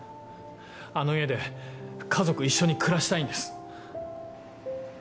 あの家で家族一緒に暮らしたいんです。